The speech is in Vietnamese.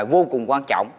vô cùng quan trọng